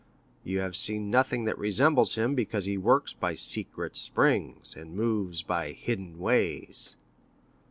You have seen nothing that resembles him, because he works by secret springs, and moves by hidden ways.